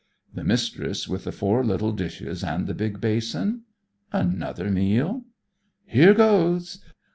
The Mistress, with the four little dishes and the big basin? Another meal? Here goes!